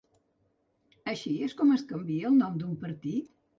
Així és com es canvia el nom d’un partit?